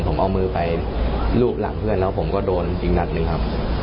ผมเอามือไปรูปหลังเพื่อนแล้วผมก็โดนอีกนัดหนึ่งครับ